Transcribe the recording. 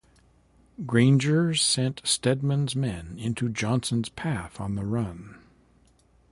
Granger sent Steedman's men into Johnson's path on the run.